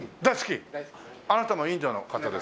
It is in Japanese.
あなたもインドの方ですか？